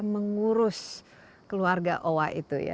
mengurus keluarga owa itu ya